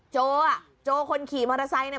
โจอ่ะโจคนขี่มอเตอร์ไซค์เนี่ย